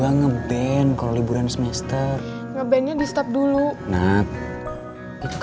nge band kalau liburan semester nge band di staf dulu